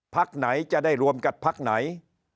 พักไหนจะได้รวมกับพักไหน